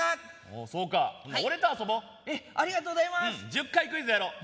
１０回クイズやろう。